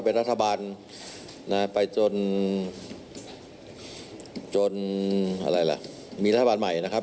เป็นรัฐบาลนะไปจนจนอะไรล่ะมีรัฐบาลใหม่นะครับ